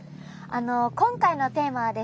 あの今回のテーマはですね